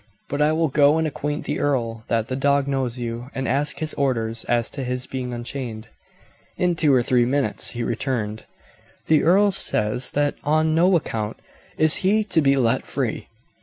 But I will go and acquaint the earl that the dog knows you, and ask his orders as to his being unchained." In two or three minutes he returned. "The earl says that on no account is he to be let free.